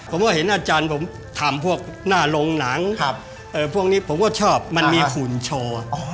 ผมก็เห็นอาจารย์ผมทำพวกหน้าโรงหนังพวกนี้ผมก็ชอบมันมีหุ่นโชว์